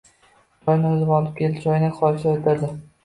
Choyni o‘zi olib keldi. Choynak qoshida o‘tirdi.